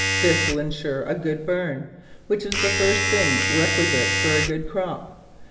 This will insure a good burn, which is the first thing requisite for a good crop.